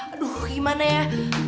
aduh gimana ya